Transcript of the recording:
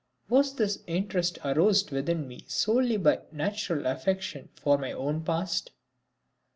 Was this interest aroused within me solely by a natural affection for my own past?